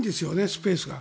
スペースが。